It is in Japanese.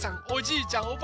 おじいちゃん